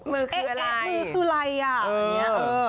มือคืออะไรมือคืออะไรอย่างนี้เออ